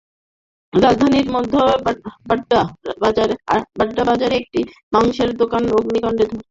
রাজধানীর মধ্য বাড্ডা বাজারে একটি মাংসের দোকানে অগ্নিকাণ্ডের ঘটনায় দুজন কর্মচারী দগ্ধ হয়েছেন।